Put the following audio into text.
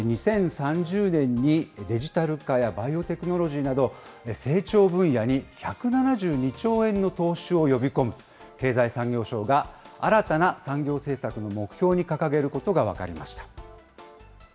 ２０３０年に、デジタル化やバイオテクノロジーなど、成長分野に１７２兆円の投資を呼び込む、経済産業省が新たな産業政策の目標に掲げることが分かりました。